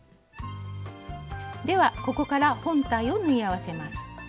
ではここから本体を縫い合わせます。